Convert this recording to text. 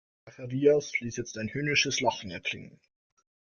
Zacharias ließ jetzt ein höhnisches Lachen erklingen.